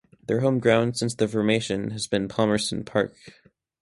Their home ground since their formation has been Palmerston Park.